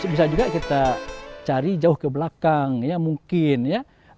bisa juga kita cari jauh ke belakang ya mungkin ya